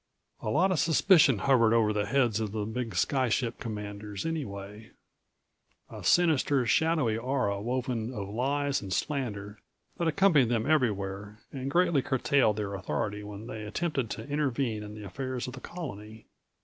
A lot of suspicion hovered over the heads of the big sky ship commanders, anyway a sinister, shadowy aura woven of lies and slander that accompanied them everywhere and greatly curtailed their authority when they attempted to intervene in the affairs of the Colony.